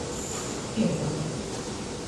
Siebeļnīks.